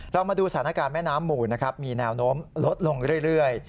เรามาดูสถานการณ์แม่น้ำหมู่นะครับมีแนวโน้มลดลงเรื่อย